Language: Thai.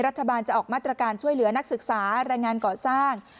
รัฐบาลจะออกมาตรการช่วยเหลือนักศึกษารายงานก่อสร้าง